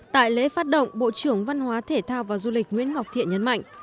tại lễ phát động bộ trưởng văn hóa thể thao và du lịch nguyễn ngọc thiện nhấn mạnh